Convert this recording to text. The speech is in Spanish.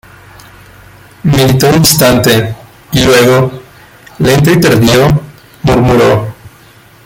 meditó un instante, y luego, lento y tardío, murmuró: